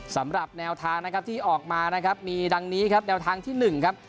สำหรับแนวทางนะครับที่ออกมานะครับมีดังนี้ครับแนวทางที่๑ครับ